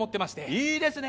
いいですね。